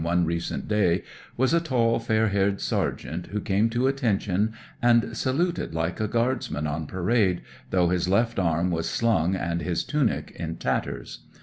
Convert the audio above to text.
e I'ecent day was a tall, fair haired sergeant, who came to attention and saluted, like a guardsman on parade, though his left arm was slung and his tunic in tatters.